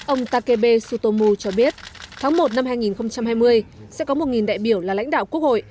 ông takebe tsutomu cho biết tháng một năm hai nghìn hai mươi sẽ có một đại biểu là lãnh đạo quốc hội